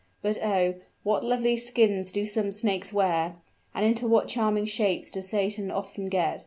But, oh! what lovely skins do some snakes wear! and into what charming shapes does satan often get!